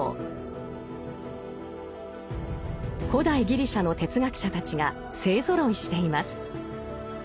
古代ギリシャの哲学者たちが勢ぞろいしています。